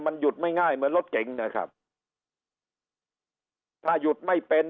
มันหยุดไม่ง่ายเหมือนรถเก๋งนะครับถ้าหยุดไม่เป็น